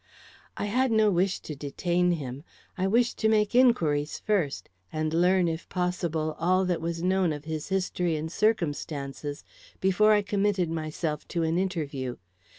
I had no wish to detain him. I wished to make inquiries first, and learn if possible all that was known of his history and circumstances before I committed myself to an interview.